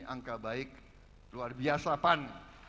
angka baik luar biasa pan